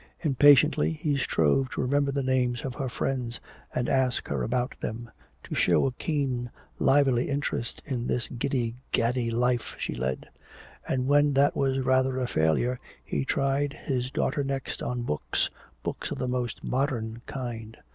Impatiently he strove to remember the names of her friends and ask her about them, to show a keen lively interest in this giddy gaddy life she led. And when that was rather a failure he tried his daughter next on books, books of the most modern kind.